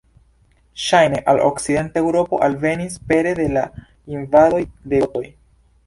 Ŝajne al okcidenta Eŭropo alvenis pere de la invadoj de gotoj.